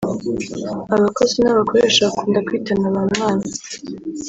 Abakozi n’abakoresha bakunda kwitana ba mwana